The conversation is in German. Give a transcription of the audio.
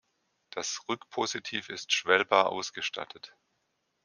Das Rückpositiv ist schwellbar ausgestattet.